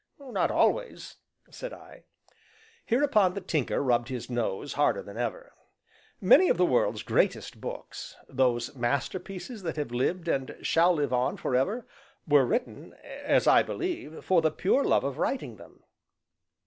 "Not always," said I. Hereupon the Tinker rubbed his nose harder than ever. "Many of the world's greatest books, those masterpieces which have lived and shall live on forever, were written (as I believe) for the pure love of writing them."